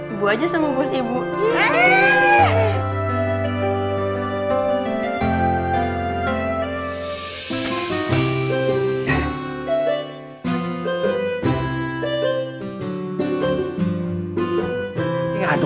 ibu aja sama bos ibu